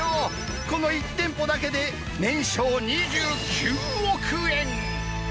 この１店舗だけで年商２９億円。